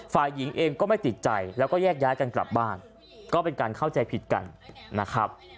ฝ่ายหญิงเองก็ไม่ติดใจแล้วก็แยกย้ายกันกลับบ้านก็เป็นการเข้าใจผิดกันนะครับ